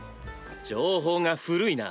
情報が古いな。